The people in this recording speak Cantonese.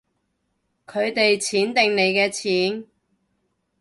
佢哋錢定你嘅錢